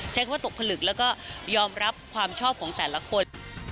ใช้คำว่าตกผลึกแล้วก็ยอมรับความชอบของแต่ละคน